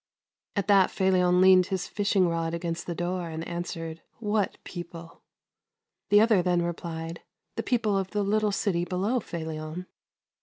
At that Felion leaned his fishing rod against the door, and answered :" What people ?" The other then replied :" The people of the little city below, Felion."